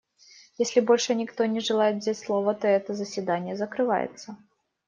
Если больше никто не желает взять слово, то это заседание закрывается.